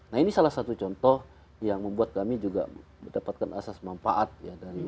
nah ini salah satu contoh yang membuat kami juga mendapatkan asas manfaat ya